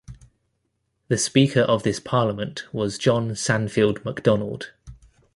The Speaker of this parliament was John Sandfield Macdonald.